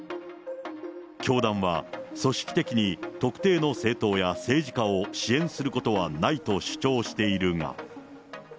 教団は組織的に特定の政党や政治家を支援することはないと主張しているが。